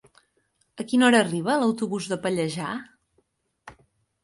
A quina hora arriba l'autobús de Pallejà?